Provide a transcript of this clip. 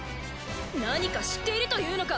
何か知っているというのか？